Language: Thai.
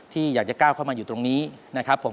ที่อยากจะก้าวเข้ามาอยู่ตรงนี้นะครับผม